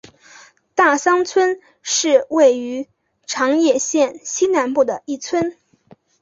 大桑村是位于长野县西南部的一村。